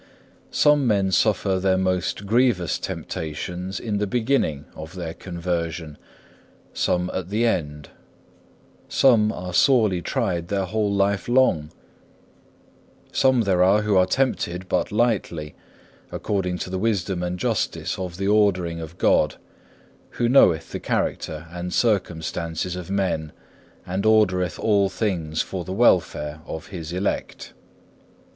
6. Some men suffer their most grievous temptations in the beginning of their conversion, some at the end. Some are sorely tried their whole life long. Some there are who are tempted but lightly, according to the wisdom and justice of the ordering of God, who knoweth the character and circumstances of men, and ordereth all things for the welfare of His elect.